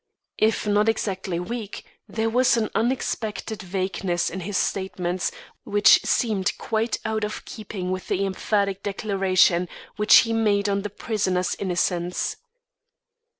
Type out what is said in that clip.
If not exactly weak, there was an unexpected vagueness in its statements which seemed quite out of keeping with the emphatic declaration which he made of the prisoner's innocence.